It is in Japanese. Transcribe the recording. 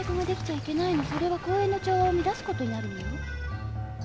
それは公園の調和を乱すことになるのよ。